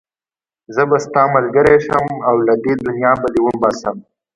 زه به ستا ملګری شم او له دې دنيا به دې وباسم.